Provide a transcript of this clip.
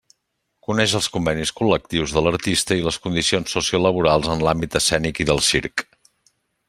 Coneix els convenis col·lectius de l'artista i les condicions sociolaborals en l'àmbit escènic i del circ.